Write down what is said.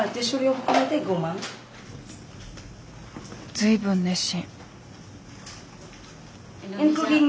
随分熱心。